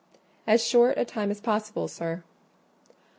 "As short a time as possible, sir."